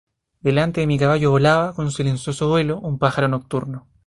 delante de mi caballo volaba, con silencioso vuelo, un pájaro nocturno: